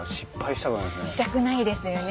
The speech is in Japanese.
したくないですよね。